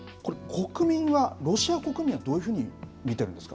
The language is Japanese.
国民は、ロシア国民はどういうふうに見てるんですか？